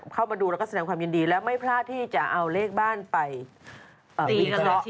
เข้ามาดูแล้วก็แสดงความยินดีและไม่พลาดที่จะเอาเลขบ้านไปวิเคราะห์